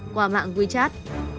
qua mạng wechat